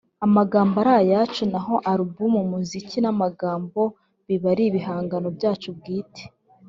amagambo ari ayacu naho album umuziki n’amagambo biba ari ibihangano byacu bwite”